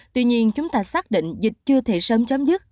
tuy nhiên chúng ta xác định dịch chưa thể sớm chấm dứt